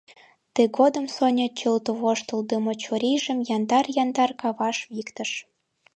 Тыгодым Соня чылт воштылдымо чурийжым яндар-яндар каваш виктыш.